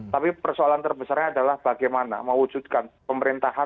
tapi persoalan terbesarnya adalah bagaimana mewujudkan pemerintahan